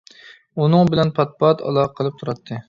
ئۇنىڭ بىلەن پات-پات ئالاقە قىلىپ تۇراتتى.